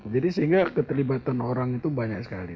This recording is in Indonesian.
jadi sehingga keterlibatan orang itu banyak sekali